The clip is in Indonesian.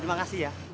terima kasih ya